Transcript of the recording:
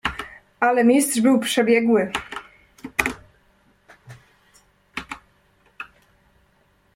"Ale Mistrz był przebiegły."